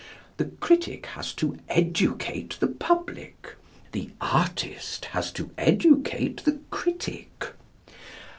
The critic has to educate the public; the artist has to educate the critic.